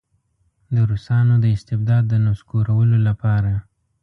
د روسانو د استبداد د نسکورولو لپاره.